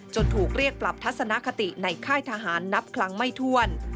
ถูกเรียกปรับทัศนคติในค่ายทหารนับครั้งไม่ถ้วน